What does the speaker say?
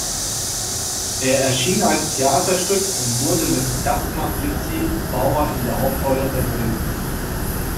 Er erschien als Theaterstück und wurde mit Jasna Fritzi Bauer in der Hauptrolle verfilmt.